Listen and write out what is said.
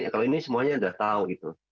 kalau ini semuanya sudah tahu gitu